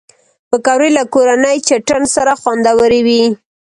پکورې له کورني چټن سره خوندورې وي